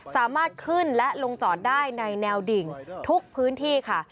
สามารถขึ้นและลงจอดได้ในแนวดิ่งทุกพื้นที่ค่ะ